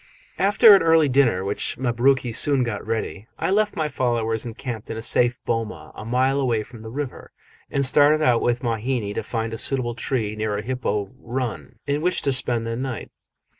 After an early dinner, which Mabruki soon got ready, I left my followers encamped in a safe boma a mile away from the river, and started out with Mahina to find a suitable tree, near a hippo "run", in which to spend the night.